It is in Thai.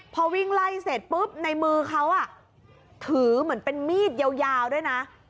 พอวิ่งไล่เสร็จปุ๊บในมือเขาถือเหมือนเป็นมีดยาวด้วยนะ